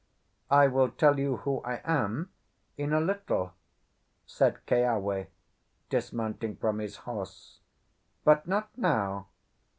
"I will tell you who I am in a little," said Keawe, dismounting from his horse, "but not now.